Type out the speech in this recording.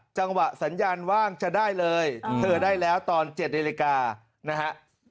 จังหวะสัญญาณว่างจะได้เลยเธอได้แล้วตอน๗นาฬิกานะฮะ